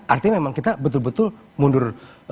artinya memang kita betul betul mundur